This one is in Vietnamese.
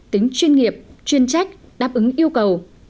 tính chuyên nghiệp chuyên trách đáp ứng yêu cầu